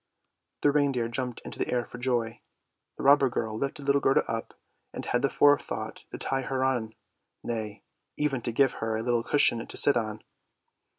" The reindeer jumped into the air for joy. The robber girl lifted little Gerda up, and had the forethought to tie her on, nay, even to give her a little cushion to sit upon.